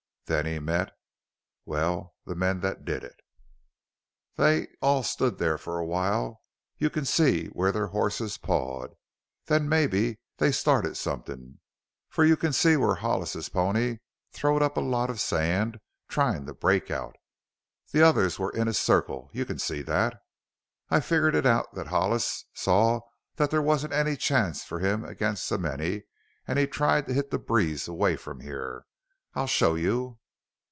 Then he met well, the men that did it." "They all stood there for a little while; you can see where their horses pawed. Then mebbe they started somethin', for you can see where Hollis's pony throwed up a lot of sand, tryin' to break out. The others were in a circle you can see that. I've figured it out that Hollis saw there wasn't any chance for him against so many an' he tried to hit the breeze away from here. I'll show you."